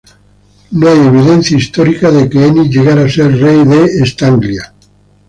No hay evidencia d histórica de que Eni llegara a ser rey de Estanglia.